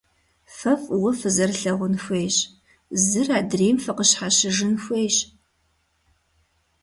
Фэ фӀыуэ фызэрылъагъун хуейщ, зыр адрейм фыкъыщхьэщыжын хуейщ.